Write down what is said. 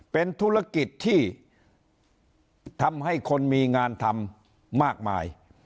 เป็นธุรกิจที่ทำให้คนมีงานทำมากมาย